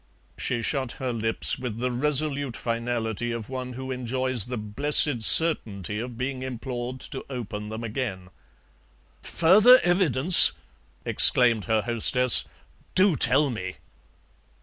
She shut her lips with the resolute finality of one who enjoys the blessed certainty of being implored to open them again. "Further evidence!" exclaimed her hostess; "do tell me!"